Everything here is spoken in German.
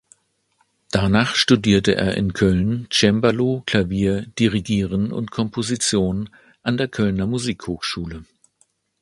Danach studierte er in Köln Cembalo, Klavier, Dirigieren und Komposition an der Kölner Musikhochschule.